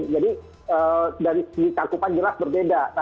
jadi dari segi cakupan jelas berbeda